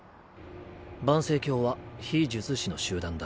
盤星教は非術師の集団だ。